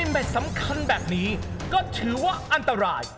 เด็ดสำคัญแบบนี้ก็ถือว่าอันตราย